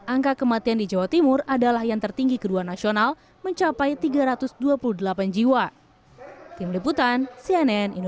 angka kematian di jawa timur adalah yang tertinggi kedua nasional mencapai tiga ratus dua puluh delapan jiwa